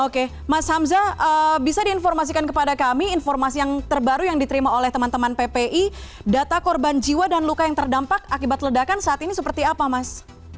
oke mas hamzah bisa diinformasikan kepada kami informasi yang terbaru yang diterima oleh teman teman ppi data korban jiwa dan luka yang terdampak akibat ledakan saat ini seperti apa mas